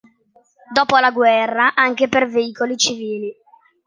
Dopo la guerra anche per veicoli civili.